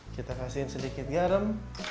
kita kasih sedikit garam